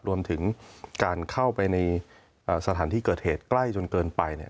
รวมถึงการเข้าไปในสถานที่เกิดเหตุใกล้จนเกินไปเนี่ย